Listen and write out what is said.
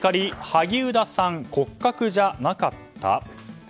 萩生田さん骨格じゃなかった？